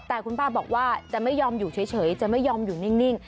แต่คุณป้าบอกว่าจะไม่ยอมอยู่เฉยจะไม่ยอมอยู่นิ่ง